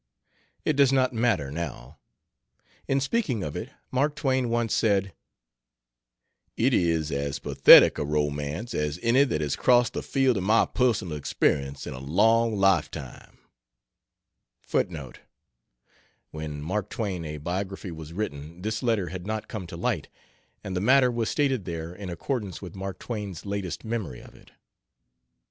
It does not matter, now. In speaking of it, Mark Twain once said: "It is as pathetic a romance as any that has crossed the field of my personal experience in a long lifetime." [When Mark Twain: A Biography was written this letter had not come to light, and the matter was stated there in accordance with Mark Twain's latest memory of it.